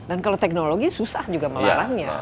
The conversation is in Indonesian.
dan kalau teknologi susah juga melarangnya